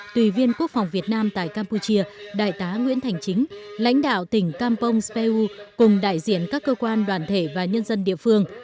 tùy viên quốc phòng việt nam tại campuchia đại tá nguyễn thành chính lãnh đạo tỉnh kampong speu cùng đại diện các cơ quan đoàn thể và nhân dân địa phương